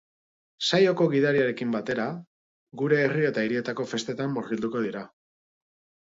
Saioko gidariarekin batera, gure herri eta hirietako festetan murgilduko dira.